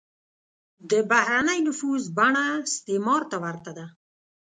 د بهرنی نفوذ بڼه استعمار ته ورته ده.